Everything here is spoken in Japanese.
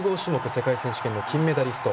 世界選手権の金メダリスト。